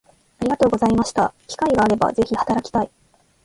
ありがとうございました機会があれば是非働きたい